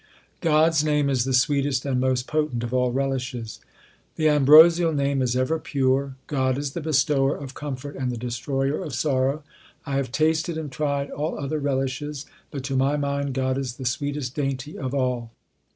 God s name is the sweetest and most potent of all relishes : The ambrosial Name is ever pure. God is the bestower of comfort and the Destroyer of sorrow. I have tasted and tried all other relishes, but to my mind God is the sweetest dainty of all.